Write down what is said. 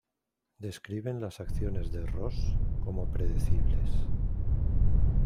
Describen las acciones de Ross como "predecibles".